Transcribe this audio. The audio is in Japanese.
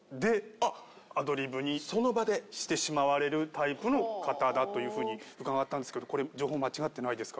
してしまわれるタイプの方だという風に伺ったんですけどこれ情報間違ってないですか？